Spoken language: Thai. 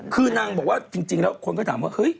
คือนางบอกว่าจริงแล้วคนก็ถามว่าเฮ้ย